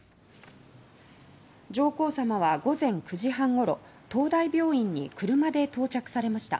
上皇さまは午前９時半ごろ東大病院に車で到着されました。